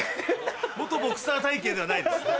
元ボクサー体形ではないです。